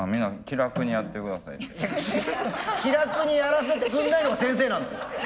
気楽にやらせてくんないのは先生なんですよ。